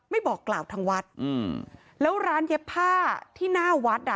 บอกกล่าวทางวัดอืมแล้วร้านเย็บผ้าที่หน้าวัดอ่ะ